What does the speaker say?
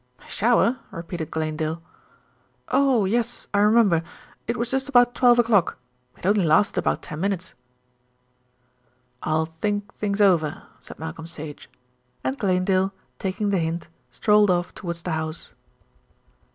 "A shower?" repeated Glanedale. "Oh! yes, I remember, it was just about twelve o'clock; it only lasted about ten minutes." "I'll think things over," said Malcolm Sage, and Glanedale, taking the hint, strolled off towards the house.